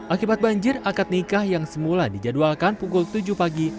akibat banjir akad nikah yang semula dijadwalkan pukul tujuh pagi